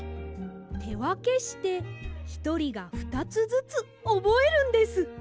てわけしてひとりが２つずつおぼえるんです！